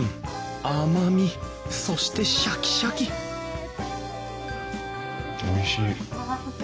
甘みそしてシャキシャキおいしい。